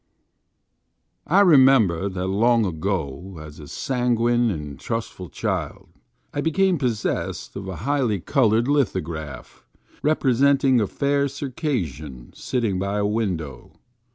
IKEMEMBEK that long ago, as a sanguine and trustful child, I became possessed of a highly colored lithograph, representing a fair Circassian sitting by a window.